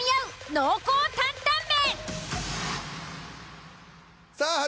濃厚担々麺。